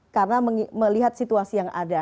karena melihat situasi yang ada